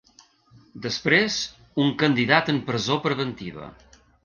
Després, un candidat en presó preventiva.